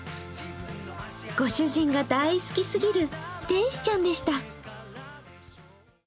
ご主人が大好きすぎる天使ちゃんでした。